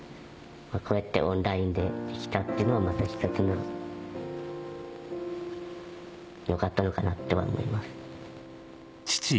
こうやってオンラインでできたっていうのはまた一つのよかったのかなとは思います。